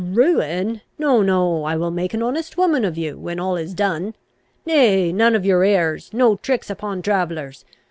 "Ruin! No, no, I will make an honest woman of you, when all is done. Nay, none of your airs; no tricks upon travellers!